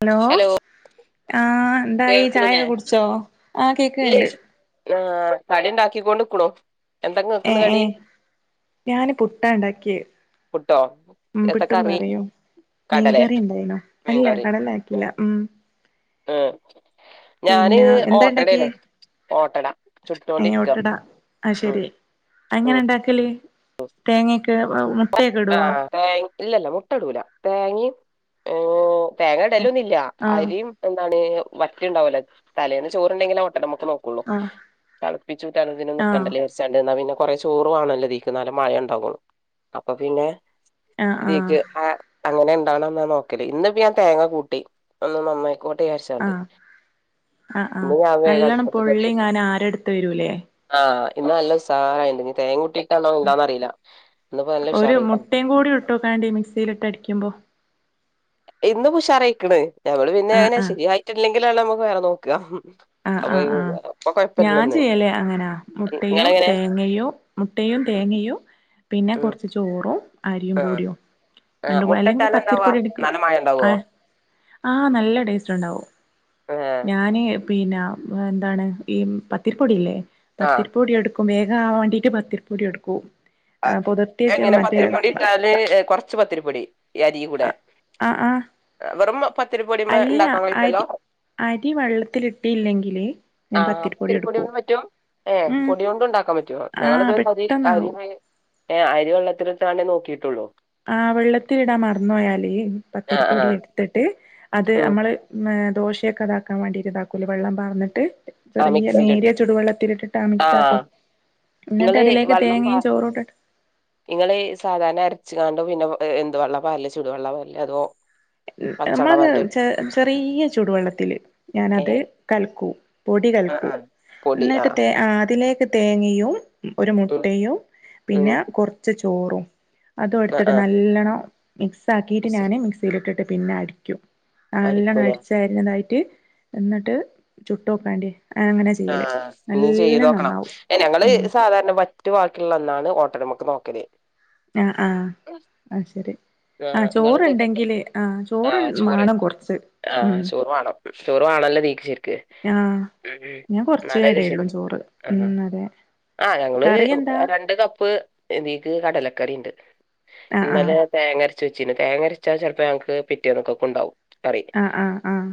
Hello ആഹ് എന്തായി കേൾക്ക്ണില്ലേ ചായക്കെ കുടിച്ചോ ആഹ് കേക്ക്ണ്ട് [unintelligible] ആഹ് കടി ഇണ്ടാക്കിക്കൊണ്ട് ഇക്കുണു എന്താ ഇങ്ങക്കിന്ന് ഏഹ് കടി ഏഹ് ഞാന് പുട്ടാ ഇണ്ടാക്കിയേ പുട്ടോ എത്ത പുട്ടും കറി കറിയു കടലേ മീൻങ്കറി ഇണ്ടായിനോ അല്ല കടല ആക്കീല്ല ഉം ഏഹ് ഞാന് പിന്നെ ഓ എന്താ ഇണ്ടാക്കിയേ ട്ടടേണ് ഓട്ടട ചുട്ടോണ്ടിരിക്കാ ഉം ഉം അതെങ്ങനാണ്ടാക്കല് തേങ്ങക്ക് [unintelligible] ആഹ് തേ ഇല്ലല്ല മുട്ട ഇടൂല തേങ്ങേം ഏഹ് തേങ്ങ ഇടലൊന്നും ഇല്ലാ ആഹ് അരിയും എന്താണ് വറ്റ് ഉണ്ടാവല്ലോ തലേന്ന് ചോറുണ്ടെങ്കി ഓട്ടട [unintelligible] ആഹ് തെളപ്പിച്ച് ഊറ്റാൻ ഒന്നിനും ആഹ് നിക്കണ്ടല്ലേ [unintelligible] എന്നാ പിന്നെ കൊറേ ചോറ് വാണല്ലോ ഇതീക്ക് എന്നാലേ മയണ്ടാകൊള്ളൂ അപ്പ പിന്നേ ആഹ് ആഹ് ഇതീക്ക് ആ അങ്ങനെ ഇണ്ടാണാന്നാ നോക്കല് ഇന്നിപ്പ ഞാൻ തേങ്ങ കൂട്ടി ഒന്ന് നന്നായിക്കോട്ടെ വിചാരിച്ചാണ്ട് ആഹ് ആഹ് ഇന്ന് ആഹ് ഞാൻ വേഗം നല്ലണം അടുപ്പത്ത്ക്ക് പൊള്ളി വന്നിരുന്നു ങ്ങാ ആരെടുത്ത് വരൂലേ ആഹ് ഇന്ന് നല്ല ഉസാറായിണ്ട് ഇനി തേങ്ങ കൂട്ടിയിട്ടാണോ എന്താന്നറിയില്ല ഇന്നിപ്പോ നല്ല ഒരു ഉഷാറായിക്ക്ണ് മുട്ടേം കൂടി ഇട്ട് നോക്കാണ്ടി മിക്സിലിട്ട് അടിക്കുമ്പോ ഇന്ന് പുഷാറായിക്ക്ണ് ഞമ്മള് പിന്നേ ആഹ് അങ്ങനെ ആഹ് ശെരിയായിട്ടില്ലെങ്കിലാണ് നമ്മുക്ക് വേറെ നോക്കാ ആഹ് ആഹ് ആഹ് [unintelligible] ഞാൻ ചെയ്യല് അങ്ങനാ മുട്ടയു ഇങ്ങളെങ്ങനെ തേങ്ങയു മുട്ടയു തേങ്ങയു പിന്നെ ഉം കൊറച്ച് ചോറും അരിയും ആഹ് കൂടിയൊ ആഹ് [unintelligible] മുട്ട അല്ലെങ്കി ഇട്ടാലെന്താവാ പത്തിരിപ്പൊടി എടുക്കും നല്ല മയം ഇണ്ടാവോ ആഹ് ആഹ് നല്ല ടേസ്റ്റ് ണ്ടാവും ഏഹ് ഞാനീ ന്നാ എന്താണ് ഈ പത്തിരിപ്പൊടിയില്ലേ ആഹ് പത്തിരിപ്പൊടി എടു ക്കും വേഗം ആവാണ്ടീട്ട് പത്തിരിപ്പൊടി എടുക്കും പുതിർത്തിവെച്ച എങ്ങനെ മറ്റേ പത്തിരിപ്പൊടി ഇട്ടാല് ഏഹ് കൊറ ച്ച് പത്തിരിപ്പൊടി ഈ അരി കൂടെ ആഹ് ആഹ് വെറും പ ത്തിരിപൊടീമ്മേ അല്ല ഇണ്ടാക്കൻ കഴില്ലല്ലോ അരി അരി വെള്ളത്തിലിട്ടില്ലെങ്കില് ഞാൻ ആഹ് അപ്പൊ പത്തിരിപ്പൊടി ഇത്തിരി പൊടി എടുക്കു കൊണ്ട് പറ്റും ഏഹ് പൊടി കൊണ്ടും ഉണ്ടാക്കാൻ പറ്റുവോ ഞങ്ങൾ ആഹ് ഇതു പകുതി അരി പെട്ടെന്നാവും [unintelligible] ഏഹ് അരി വെള്ളത്തിലിട്ട് അനെ നോക്കിട്ടുള്ളൂ ആഹ് വെള്ളത്തിലിടാൻ മറന്നു പോയാല് ആഹ് പത്തിരിപ്പൊടി ആഹ് എടുത്തിട്ട് അത് ഉം അമ്മള് മ് ദോശയൊക്കെ ഇതാക്കാൻ വേണ്ടിട്ട് ഇതാക്കൂലേ വെള്ളം പാർന്നിട്ട് ആഹ് ചെറീയ മിക്സിയിലിട്ട് നേരിയ ചുടുവെള്ളത്തിൽ ഇട്ടിട്ട് മിക്സ് ആക്കും. ആഹ് എന്നിട്ട് ഇങ്ങള് അതിലേക്ക് വെള്ളം പാ തേങ്ങയും ചോറും ഇട്ടിട്ട് ഇങ്ങള് ഈ സാധാരണ അരച്ച് കാണ്ട് പിന്നെ വെ എന്ത് വെള്ളാ പാരല് ചുടുവെള്ള പാരല് അതോ പച്ചവെള്ളാ നമ്മളത് പാരല് ചെ ചെറീയ ചൂടുവെള്ളത്തില് ഞാൻ അത് ഏഹ് കലക്കൂ പൊടി ആഹ് കൽക്കൂ. ആഹ് പൊടി എന്നിട്ട് ആഹ് തേ ആ അതിലേക്ക് തേങ്ങയും ഒരു ഉം മുട്ടയും ഉം പിന്നെ കുറച്ച് ചോറും അതും ആഹ് ഇട്ത്തിട്ട് ആഹ് നല്ലണം മിക്സ് ആക്കിയിട്ട് മിക്സി ഞാന് മിക്സിയിലിട്ടിട്ട് പിന്നെ അടിക്കും. നല്ലണം അടിക്കൂലേ അടിച് ചേര്ണതായിട്ട് എന്നിട്ട് ചുട്ടോക്കെണ്ടി. അങ്ങനെ ചെയ്യല് ആഹ്, ഇഞ്ഞി നല്ല ചെയ്തോക്കണം. നന്നാവും ഞങ്ങള് ഉം സാധാരണ പോ റ്റു വാക്കിള്ളന്നാണ് ഓട്ടടമ്മക്ക് നോക്കല്. ആഹ് ആഹ് അത് ശരി ആ ആഹ് ഇങ്ങളെന്തൊക്കെയാ ചോറുണ്ടെങ്കില് ആ ചോറ് മാണം കൊർച്ച് ആഹ് ചോറ് മാണം. ചോറ് വാണല്ലോ തീക്ക് ഷെര്ക്ക് ആഹ് ഞാൻ [unintelligible] കൊറച്ചേ ഇടയുള്ളൂ ചോറ് ഉം ആഹ് അതെ ആ ഞങ്ങള് കറി എന്താ രണ്ട് കപ്പ് ഇതീക്ക് കടലക്കറിണ്ട്. ആഹ് ഇന്നലെ തേങ്ങര് ച്ചെച്ചിനു, തേങ്ങരച്ചാൽ ചെലപ്പോ ഞങ്ങൾക്ക് പിറ്റേന്നക്ക ക്കുണ്ടാവും കറി. ആഹ് ആഹ് ആഹ്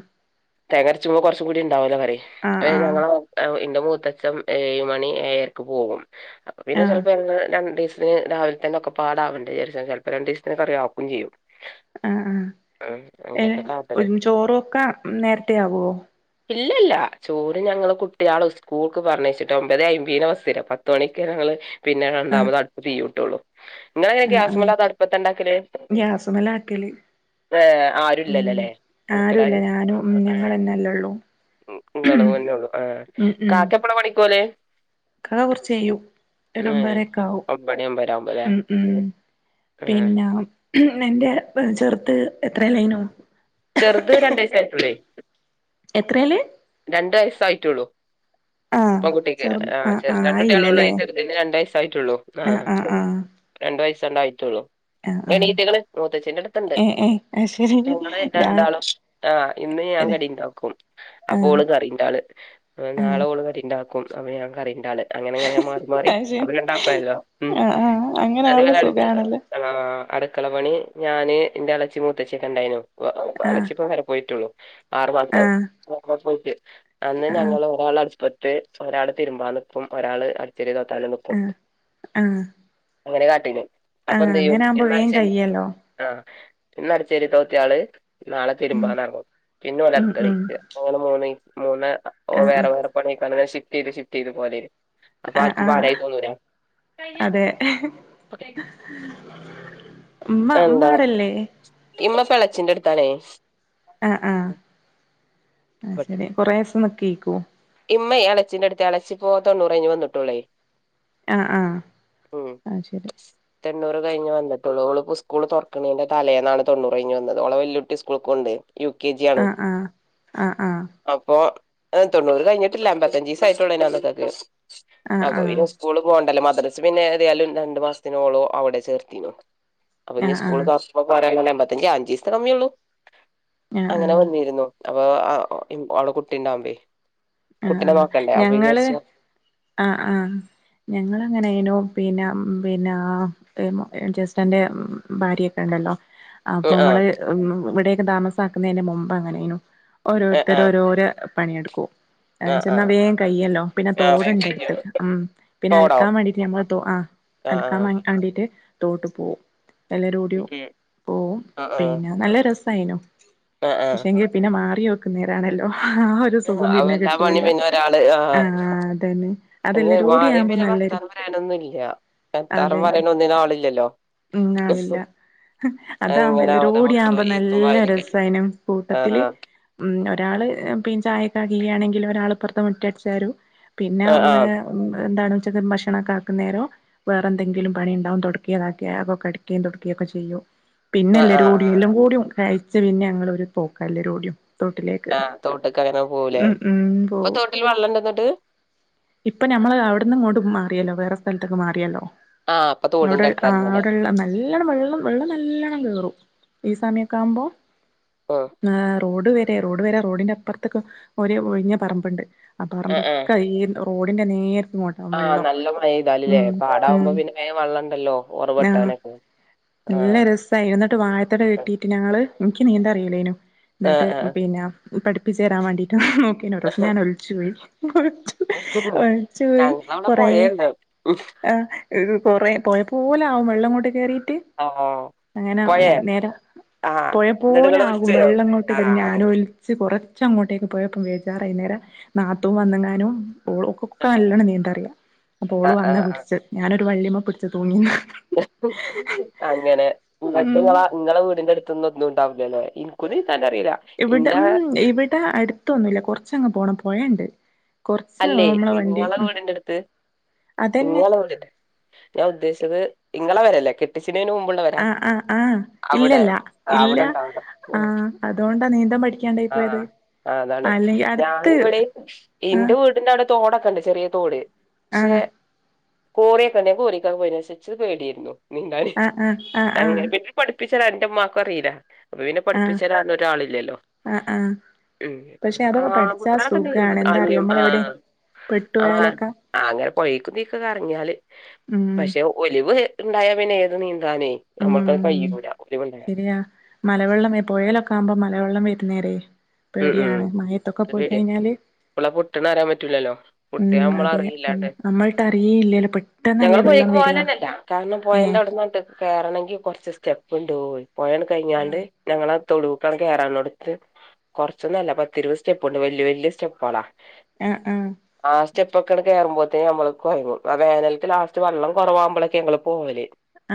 തേങ്ങരച്ചുമ്പോ കൊറച്ചും കൂടി ണ്ടാവല്ലോ കറി. ആഹ് അത് ആഹ് ഞങ്ങള [unintelligible] ഇന്റെ മൂത്തച്ഛൻ ഏഴ് മണി ഏഴര്ക്ക് പോകും. അപ്പോ ആഹ് പിന്നെ ആഹ് ചെലപ്പോ ഞങ്ങള് രണ്ടീസ് പിന്നെ രാവിലെ തന്നെ ഒക്കെ പാടാവണ്ടെ വിചാരിച്ച് ചെലപ്പൊ രണ്ടീസത്തിന് കറി ആക്കും ചെയ്യും. ആഹ്, ഉം ഏ അങ്ങനെയൊക്കെ കാട്ടല് [unintelligible] ചോറൊക്കെ നേരത്തെ ആവോ? ഇല്ലല്ല ചോറ് ഞങ്ങള് കുട് കുട്ടിയളെ ഉസ്കൂൾക്ക് പറഞ്ഞയച്ച്ട്ട് ഒമ്പതെ അയ്മ്പീന ബസ് അരാ. പത്തുമണിക്ക് ഞങ്ങള് പിന്നെ ആഹ് രണ്ടാമത് അ തീയുട്ടോള്ളു. ഇങ്ങളെങ്ങനെ ആഹ് ആഹ് ഗ്യാസ്മലാ അതാ അടുപ്പത്തണ്ടാക്കല്? ഗ്യാസുമലാക്കല് ഏഹ് ഉം ആരുല്ലല്ല ല്ലേ, ആരുല്ല അൻക്ക്ടാന് ഞാനും ഉം [unintelligible] ഞങ്ങളെന്നെല്ലേ ഉള്ളൂ [unintelligible] ഉം ല്ലള്ളൂ ആഹ്, കാക്ക എപ്പളാ പണിക്കോവല്? ക്കാ കുറച്ച് കഴിയും. ഏഹ് ഒരമ്പതരൊക്കെ ആവും. ഒമ്പണി ഒമ്പര ആവുമ്പോല്ലേ ഉം ഉം ആഹ് പിന്നെ നിന്റെ ചെറുത് എത്രലേനു? ചെറുത് രണ്ടയസ്സ് ആയിട്ടൊള്ളേ. എത്രേല്? രണ്ട് വയസ്സ് ആയിട്ടുള്ളൂ. ആഹ് പെൺ കുട്ടിക്ക്, ചെറു ആഹ് ചെർ രണ്ടുട്ടിയള് ഒള്ളേ, ആയില്ലല്ലേ ചെറ്തിന് രണ്ടയസ്സ് ആയിട്ടുള്ളൂ. ആഹ് രണ്ടു വയസ്സ് ആണ്ട് ആയിട്ടുള്ളൂ. ആഹ് ആഹ് എണീറ്റ്ക്ക്ണ് മൂത്തച്ചിന്റെടുത്ത്ണ്ട്. ഏഹ് ഏഹ് അത് ശരി റ്റങ്ങള് രാ രണ്ടാളും ആ ഇന്ന് ഞാൻ ആഹ് കടിണ്ടാക്കും. അപ്പൊ ആഹ് ഓള് കറിണ്ടാള് ഏ. നാളെ അത് ഓള് കറിണ്ടാക്കും. അപ്പ ഞാൻ കറിണ്ടാള് അങ്ങനെ അങ്ങനെ മാറി മാറി ശരി അപ്പോ രണ്ടാക്കും ആയല്ലോ. ഉം ആഹ് ആഹ് അങ്ങനെ ആവുമ്പോ അത്ങ്ങനെ എടക്ക് സുഖാണല്ലോ ആഹ്, അട്ക്കള പണി ഞാന് ഇന്റെ എളച്ചിം മൂത്തച്ചിയൊക്കെണ്ടായിനു [unintelligible] ആഹ് എളച്ചിപ്പ വേറെ പോയിട്ടുള്ളൂ. ആറു മാസായി ആഹ് [unintelligible] അന്ന് ആഹ് ഞങ്ങള് ഒരാള് അട്പ്പ ത്ത്, ഒരാള് തിരുമ്പാ നിക്കും. ഒരാള് അടിച്ചേരി തോത്താനും നിക് ആഹ് ആഹ് അങ്ങനെ കാട്ടീനെ, അപ്പൊ ആഹ് എന്ത് എയ്യും. അങ്ങനെ ആവുമ്പോ വേഗം ഇന്നട്ചേരി കഴിയല്ലോ ആഹ് ഇന്ന് അട്ച്ചേരി തോത്തിയാള് നാളെ ഉം തിരുമ്പാനെറങ്ങും. പിന്നെ ഓല് ഉം ഉം അട്ക്കളീക്ക് അങ്ങനെ മൂന്ന് മൂന്ന്‌ ആഹ് വേറെ ആഹ് വേറെ പണിട്ക്കാന് അന്നെ ഷിഫ്റ്റയ്ത് ഷിഫ്റ്റയ്ത് പോലെനി. ആഹ് ആഹ് അതെ. ഇമ്മ ഇമ്മ എന്താ അവ്ടല്ലേ? ഇമ്മ ഇപ്പ എളച്ചിന്റെട്ത്താണേ. ആഹ് ആഹ് അത് ശരി കുറേസം നിക്കുയ്ക്കും. ഇമ്മയ് എളച്ചിന്റെ അടുത്ത, എളച്ചിപ്പം തൊണ്ണൂറയിഞ്ഞ് വന്നിട്ടൂള്ളേ. ആഹ് ആഹ് അത് ശരി. തൊണ്ണൂറു കഴിഞ് വന്നിട്ടുള്ളൂ. ഓള്പ്പൊ ഉസ്കൂള് തൊറക്ക്ണീന്റെ തലേന്നാണ് തൊണ്ണൂറ് കഴിഞ് വന്നത്. ഓളെ വല്യുട്ടി സ്കൂൾക് പോവ്ണ്ടേ. യു കെ ജി ആണ്. ആഹ് ആഹ് ആഹ് ആഹ് അപ്പോ ഏഹ് തൊണ്ണൂറ് ഇതഴിഞ്ഞിട്ടില്ല അമ്പത്തഞ്ചിസായിട്ടൊള്ളു അന്നക്കക്ക് ആഹ് അപ്പൊ ആഹ് പിന്നെ സ്കൂള് പോവണ്ടല്ലോ മദ്രസ് പിന്നെ ഏതായാലും രണ്ടു മാസത്തിനോള് അവിടെ ചേർത്തിണ്. അപ്പൊഞ്ഞ് ആഹ് സ്കൂള് ആഹ് തുറക്കുമ്പോ പോരങ്ങനെ എമ്പത്തഞ്ചാ അഞ്ചിസെത്തെ കമ്മിയൊള്ളു. ആഹ് അങ്ങനെ ആഹ് വന്നിരുന്നു അപ്പൊ [unintelligible] അവളെ കുട്ടിണ്ടാവുമ്പേ ആഹ് ആഹ് ഞങ്ങള് ആഹ് ആഹ് ഞങ്ങളങ്ങനെനു പിഞ്ഞം പിഞ്ഞാ [unintelligible] ജസ്റ്റന്റെ ഭാര്യൊക്കെണ്ടല്ലോ ആ ആ അപ്പമ്മള് ഹ്മ്മ് ഇവിടെക്കെ താമസക്കുന്നതിന്റെ മുമ്പങ്ങനെനു ആ ആ ഓരോരുത്തരോരോരെ പണിയെടുക്കും. ആ ചെന്നാ വേം കയ്യല്ലോ പിന്നെ ആ തോട്ണ്ടട്ത്ത് മ്മ് പിന്നെ അലക്കാൻ വേണ്ടിട്ട് ഞങ്ങളാ തോ ആഹ് ആഹ് ആഹ് ക്കാൻ വേണ്ടിയിട്ട് തോട്ട്ക്കോവും എല്ലരോടിയും പോവും ആ ആ പിന്നെ നല്ല രസ ഇപ്പായ്നോ ആ ആ പക്ഷെങ്കി പിന്നെ മാറി വെക്കുന്നേരാണല്ലോ ആ ഒരു സുഖം അവ പിന്നെ കി എല്ലാ പണിയും ട്ടില്ലാ. പിന്നെ ആഹ് അതന്നെ [unintelligible] അതെല്ലരൂടി ആരെയും ആവുമ്പോ പിന്നെ നല്ലൊരു വർത്താനം പറയാനൊന്നുല്ല. വാർത്താനംപറയാനൊന്നിനും ആളില്ലല്ലോ ഹ്മ്മ് ആളില്ല. അതാവുമ്പോ അങ്ങനെ അവന എല്ലരൂടി മക്കള് ആവുമ്പോ എയ്ത്തും നല്ല വായനക്കായിട്ട് രസായെനു കൂട്ടത്തില് ആഹ് മ്മ് ഒരാൾ പി ചായക്കെആക്കിയാണെങ്കില് ഒരാളിപ്പറത്ത് മുറ്റട്ച്ചേരും. പിന്നെ ആഹ് അമ്മ് ആഹ് ഹ്മ്മ് എന്താണ് ഉച്ചക്കൊരു ഭക്ഷണാക്കുന്നേരം വേറെന്തെങ്കിലും പണി ഇ ണ്ടാവും തുടക്കേ ഇതാക്കെ അതൊക്കെ അടിക്കേം തോടിക്കേം ഒക്കെ ചെയ്യും പിന്നെ ആഹ് എല്ലാരും ആഹ് കൂടി ആഹ് എല്ലാംകൂടി കഴിച്ച് പിന്നെ ഞങ്ങളൊരു പോക്കാ എല്ലാരൂടിയും തോട്ടിലേക്ക് ആഹ് തോട്ട്കങ്ങനെ പോവൂലേ. ഉം ഉം ഇപ്പ പോവും തോട്ടില് വള്ളണ്ടോ ഇന്നട്ട് ഇപ്പൊ ഞമ്മള് അവിടിന്നിങ്ങോട്ട് മാറിയല്ലോ വേറെ സ്ഥലത്ത്ക്ക് മാറിയല്ലോ ആഹ് അപ്പൊ അവിടെ തോടിന്റെ ആഹ് അടുത്തായിരുന്നല്ലേ അവിടെള്ള മെ നല്ലണ്ണം വെള്ളം വെള്ളം നല്ലോണ്ണം കേറും ഈ സമയൊക്കെ ആവുമ്പോ ഉം ആഹ് റോഡ് വരെ റോഡ് വരെ റോഡിന്റെ അപ്പർത്ത്ക്കും ഒരു ഒഴിഞ്ഞ പറമ്പ്ണ്ട് ആ ആഹ് പറമ്പൊക്കെ ഈ റോഡിന്റെ നേരെ ഇങ്ങോട്ടാ ആ നല്ല മഴയ്താല് ലെ ഉം പാടകുമ്പോ പിന്നെ വേം വള്ളണ്ടല്ലോ ഒറവൊട്ടാനൊക്കെ നല്ലരു ഇതായിനു. ഇന്നട്ട് വാഴതട വെട്ടീട്ട് ഞങ്ങള് ഇൻക്ക് നീന്താറീല്ലേനു ആഹ് ഇന്നട്ട് ആഹ് പിന്നെ പഠിപ്പിച്ചരാൻ വാണ്ടീട്ട് നോക്കീനോരീസം ഞാൻ ഒൽച്ചോയി ഒൽച്ചോയി ഒൽച്ചോയി ഞങ്ങളവിടെ കൊറേ, പൊഴേണ്ട് ആഹ് കൊറേ പൊഴപോലെ ആവും വെള്ളങ്ങോട്ട്‌കേറീട്ട്, ആഹ് അങ്ങനെ പൊഴേ നേര ആഹ് എന്നിട്ട് ഇങ്ങള് പൊഴപോലെയാവും വിളിച്ചോ വെള്ളങ്ങോട്ട് ആഹ് കേറി ഞാനോ അങ്ങനെ ഒൽച്ച് കൊറച്ചങ്ങോട്ടേക്ക് പോയപ്പം [unintelligible] നാത്തും വന്നങ്ങാനും ഓള് ഒകൊക്കെ നല്ലൊണം നീന്തറിയാം. അപ്പോള് ആഹ് വന്നാ ആഹ് പുടിച്ചേ ഞാനൊരു വള്ളിമ്മ പുടിച്ചു തൂങ്ങിന്ന് [inaudible] അങ്ങനെ ഇന്നട്ട് ഉം ഇങ്ങള ഇങ്ങളെ വീടിന്റെ അട് ത്തൊന്നും ഒന്നുണ്ടാവൂല്ലലെ. ഇന്ക്കും നീന്താനറീല്ല ഇവിടെ മ്മ് ഇവിടെ അട്ത്തൊന്നുല്ല കുറച്ചങ്ങ് പോണം പൊഴണ്ട് കൊറച്ച് അല്ലേയ് നമ്മളെ വണ്ടി ഇങ്ങളെ ഉം വീടിന്റട്ത്ത് അതന്നെ ഇങ്ങളെ വീടിന്റെ ഞാൻ ഉദ്ദേശിച്ചത് ഇങ്ങളെ പെരല്ലേ കെട്ടിച്ചിനന് മുമ്പ് ആഹ് ആഹ് ആഹ് ഇല്ലല്ല ആ, ഇല്ല അവിടെ ഇണ്ടാവൂല ആഹ് അതോണ്ടാ നീന്താൻ പഠിക്കാണ്ടായ് പോയത്. ആഹ് ആഹ് അതാണ്. അല്ലെങ്കി അടുത്ത് ഞാനിവടെ ആഹ് ഇന്റെ വീടിന്റവിടെ തോടൊക്കണ്ട് ചെറിയ തോട്. പക്ഷെ ആഹ് കോറിയൊക്കെണ്ട് കൊറീക്കൊക്കെ പോയീന് പക്ഷേ ഇച്ച് പേടിയാർന്നു നീന്താന്. ആഹ് ആഹ് ആഹ് അങ്ങന ആഹ് പഠിപ്പിച്ചരാൻ ഇന്റെ ഇമ്മാക്കു അറീല, അപ്പൊ പിന്നെ ആഹ് പഠിപ്പിച്ചരാഞ്ഞൊരാളില്ലല്ലോ ആഹ് ആഹ് ഹ്മ്മ് പക്ഷെ അതൊക്കെ പഠിച്ചാ സുഖാണ് [unintelligible] എന്താ അറിയോ ആദ്യം നമ്മളെവിടെ ആഹ് ആഹ് പെട്ടുപോയാലൊക്കെ അങ്ങനെ പോയീക്കും ഇതീക്കൊക്കെ എറങ്ങിയാല്. ഉം പഷേ ഒലിവ് ഇണ്ടായാ പിന്നെ ഏത് നീന്താനെയ്‌ ഉം നമ്മൾക്കതു കഴൂല ഒലിവുണ്ടായാ മലവെള്ളം പുഴയിലൊക്കെ ആവുമ്പോ മലവെള്ളം വരുന്നേരയ് ഉം ഉം പേടിയാണ് മഴത്തൊക്കെ അത് പോയി പേടിയാ കഴിഞ്ഞാല് എപ്പളാ പൊട്ട്ണെ അറിയാൻ ‌ പറ്റൂലല്ലോ പൊട്ടിയ ഉം അമ്മള് അതെ ഉം അറിയില്ലണ്ട് നമ്മൾട്ട് അറിയേയില്ലല്ലോ ഞങ്ങള് പെട്ടെന്നല്ലേ പൊഴേക്ക് വെള്ളം വരിക പോലെന്നെല്ല കാരണം പൊഴന്റെ ഏഹ് അവിട്ന്നൊട്ട്. കേറണെങ്കി കൊറച്ച് സ്റ്റെപ്പുണ്ടോയി പൊഴട് കഴിഞ്ഞാണ്ട് ആഹ് ഞങ്ങളെ തൊടൂക്കട് കേറാണോട്ത്ത് കൊറച്ചൊന്നു അല്ല പത്തി ഇരുപത് സ്റ്റെപ്പ്ണ്ട് വല്യ വല്യ സ്റ്റെപ്പളാ. ആ ആഹ് ആ സ്റ്റെപ്പൊക്കെട് കേറുമ്പോത്ത്ന് ഞമ്മള് കൊയങ്ങും ആ വേനൽത്തെ ലാസ്റ്റ് വെള്ളം കൊറവാകുമ്പളൊക്കെ ഞങ്ങള് പോവല്.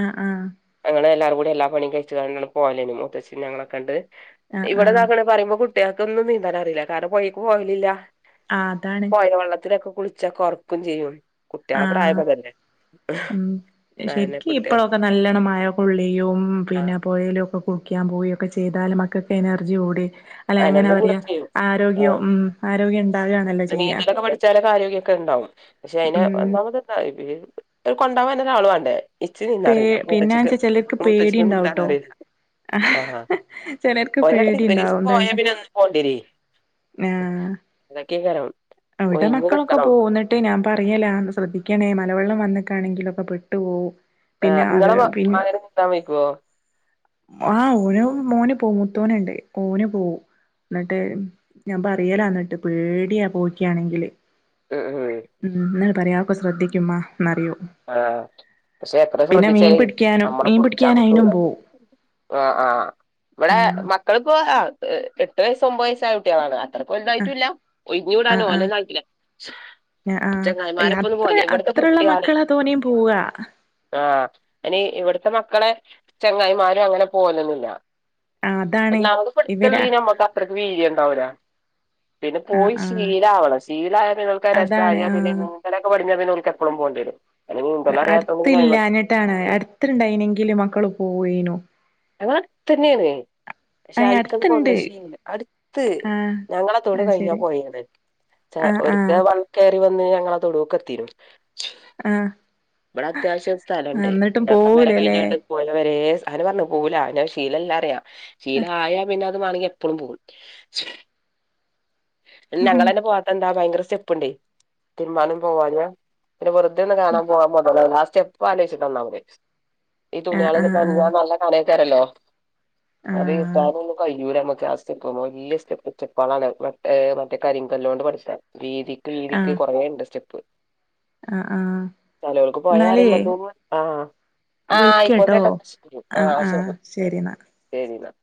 ആഹ് ആഹ് ഞങ്ങള് എല്ലാരും കൂടി എല്ലാ പണിം കഴിച്ച്കണ്ട് പോവലേനി മൂത്തച്ഛിം ഞങ്ങളെ ഒക്കണ്ട്. ആഹ് ഇവടെ ആഹ് താക്ക്ണ് പറയുമ്പ കുട്ട്യൾക്കൊന്നും നീന്താൻ അറിയില്ല കാരണം പൊഴേക്ക് പോവലില്ല. ആഹ് അതാണ് പോയാല് വെള്ളത്തിലൊക്കെ കുളിച്ചാ കറുക്കും ചെയ്യും കുട്ട്യളെ പ്രായം ആഹ് ഇപ്പതല്ലെ. ഉം ശരിക്കും ഇപ്പഴൊക്കെ നല്ലോണം മഴ കൊള്ളിയും ആ പിന്നെ. പൊഴേലു ഒക്കെ കുളിക്കാൻ പോയൊക്കെ ചെയ്താൽ മക്കക്ക് എനർജി കൂടി അല്ലെ എങ്ങനെ അയന്നെ കൂടെ പറയാ ചെയ്യും ആ ആരോഗ്യോ ഉം ആരോഗ്യം ഇണ്ടാവാണല്ലോ ചെയ്യ ചെലക ആരോഗ്യ ഒക്കെ ഇണ്ടാവും പക്ഷെ അയിന് ഉം ഒന്നാമത് എന്താ കൊണ്ടാവാൻ ഒരാള് വാണ്ടേ? ഇച്ച് നീന്താ പേ അറീല്ല മൂത്തച്ചിക്ക് പിന്നെച്ചാ ചിലർക്ക് പേടി മൂത്തച്ചിക്ക് നീന്താൻ ഉണ്ടാവുട്ടോ അറീല്ല. ആ ഹാ ചിലർക്ക് ഒരട്തി ഒരീ പേടിണ്ടാവും പോയാ എന്താച്ച പിന്നെ എന്ന് പോണ്ടിരെ അതൊക്കെയ്കാരം. അവിടെ മക്കളൊക്കെ പോവോന്ന് ട്ട് ഞാൻ പറയലാ ശ്രദ്ധിക്കണേ മലവെള്ളം വന്നിക്കാണെങ്കിലൊക്കെ പെട്ടു പോവും. ആഹ് പിന്നെ അത് ഇങ്ങളെ പിന്നെ മകന്‌ നിനാത്ൻ വയ്ക്കുവോ ആഹ് ഓന് മോന് പോ മൂത്തോന്ണ്ട് ഓന് പോവും ന്ന്ട്ട് ഞാൻ പറയലാ ന്ന്ട്ട് പേടിയാ പോവൊക്കെയാണെങ്കില് ഉം ഉം ന്ന്ട്ട് പറയാ ഒക്കെ ശ്രദ്ധിക്കുമ്മാ ന്നറിയും ആഹ് പക്ഷെ എത്ര ശ്രദ്ധിച്ചാലേ പിടിക്കാനും നമ്മളെ മീൻ പുട്ച്ചാൻ പിടിക്കാൻ അയിനും കിട്ടൂല പോവും ആ ആഹ് ഇവടെ ആഹ് മക്കളിപ്പോ ആ എട്ട് വയസ്സ് ഒമ്പത് വയസ്സായ കുട്ട്യളാണ്. അത്ര വലുതായിട്ടുല്ല ഒഴിഞ് വിടാന് ആഹ് ഓലെന്നെ ആയിട്ടില്ല ആഹ് ചങ്ങായിമാരൊപ്പം ഒന്ന് അത്ര പോവല് ഇവിടുത്തെ അത്രള്ള കുട്ടികളെ മക്കളാ തോനിം പോവാ ആഹ് അയ്ന് ഇവിട്ത്തെ മക്കളെ ചങ്ങായിമാര് അങ്ങനെ പോവലൊന്നുല്ല ആഹ് അതാണ് ഒന്നാമത് ഇവരാ പ്പട്ത്ത്ള്ളേന് ഞമ്മക്ക് അത്രക്ക് വീര്യണ്ടാവൂല പിന്നെ ആഹ് പോയി ആഹ് ശീലാവണം ശീലായ ഓൽക്കത് അതാണ് രസായ പിന്നെ ആഹ് എന്നും നീന്തോലൊക്കെ പഠിഞ്ഞ പിന്നെ ഓൽക്ക് എപ്പളും പോണ്ട്യരും അയിന് നീന്തലറിയത്തോണ്ട് പിന്നെ അയ്മക് രാണ് അട്ത്ത്ണ്ടായിനെങ്കില് മക്കള് പോവേനു ഞങ്ങളെ അട്ത്ത്ന്നെയാണ്. പക്ഷെ ഏഹ് അയിക്കണ്ട് അടുത്തുണ്ട് കൊണ്ടോയി ശീല അട്ത്ത് ആഹ് ഞങ്ങളെ തൊടു അത് കഴിഞ്ഞാ ശരി പോഴയാണ്. ആഹ് ഒരിക്ക ആഹ് വെള്ളം കയറി വന്ന് ഞങ്ങളെ തൊടൂക്ക് എത്തിന്നു. ആഹ് ഇവടെ അത്യാവശ്യം ആഹ് സ്ഥലണ്ട് എന്നിട്ടും ഞങ്ങളെ പെര പോവൂലല്ലേ കഴിഞ്ഞാണ്ട്. പോലെവരെ അതെന്നെ പറഞ്ഞെ പോവൂല അത് ശീലല്ലാ പറയാ ശീല ആയാ പിന്നെ മാണെങ്കി എപ്പളും പോവും ആഹ് ഞങ്ങളെന്നെ പോവാത്തെ എന്താ ഭയങ്കര സ്റ്റെപ്പ്ണ്ടേ തിര്മ്പാനും പോവാനും പിന്നെ വെർതെ ഒന്ന് കാണാൻ പോവാൻ മൊതലാവൂല ആ സ്റ്റെപ്പ് ആലോചിട്ട ഒന്നാമത്. ഈ തുണിയള് ആഹ് ആഹ് നനഞ്ഞാൽ നല്ല കനെയ്ക്കാരല്ലോ. അത് ആഹ് ഏറ്റാൻ ഒന്നും കയ്യൂല അമ്മക്ക് ആ സ്റ്റെപ്പ്മെ വലിയ സ്റ്റെപ്പ് സ്റ്റെപ്പളാണ്. ഏഹ് മറ്റേ കാരിങ്കലോണ്ട് പട്ത്ത വീതിക്ക് വീതിക്ക് ആഹ് കൊറേണ്ട് സ്റ്റെപ്പ്. ആഹ് ആഹ് ചെലോൽക്ക് പൊഴാ എന്നാലേ അറിയുമ്പ എന്തോന്നുവാ ആഹ് ആഹ് വിളിക്കട്ടോ അയ്കോട്ടെട്ടോ ശരി ആഹ് ശരി ശരി ന്ന